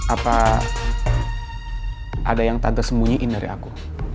apa ada yang tante sembunyiin dari aku